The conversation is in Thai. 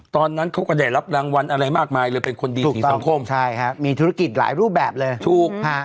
ตอนนั้นเขาก็ได้รับรางวัลอะไรมากมายเลยเป็นคนดีสีสังคมใช่ฮะมีธุรกิจหลายรูปแบบเลยถูกฮะ